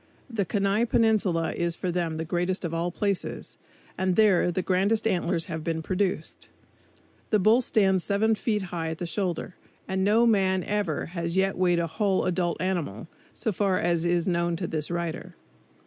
The Kenai Peninsula is for them the greatest of all places, and there the grandest antlers have been produced. The bull stands seven feet high at the shoulders, and no man ever yet has weighed a whole adult animal, so far as is known to this writer.